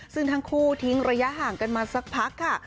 ซึ่งทั้งคู่ทิ้งระยะห่างกันมาสักพักค่ะ